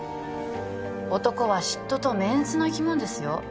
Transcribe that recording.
男は嫉妬とメンツの生き物ですよ